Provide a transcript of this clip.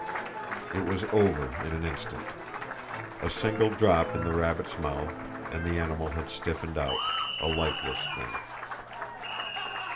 It was over in an instant. A single drop in the rabbit's mouth, and the animal had stiffened out, a lifeless thing.